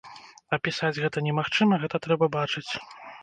Апісаць гэта немагчыма, гэта трэба бачыць.